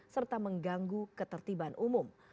serta mengganggu ketertiban umum